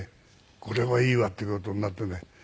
これはいいわっていう事になってね